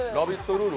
ルール。